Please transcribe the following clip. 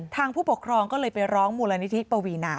ผู้ปกครองก็เลยไปร้องมูลนิธิปวีนา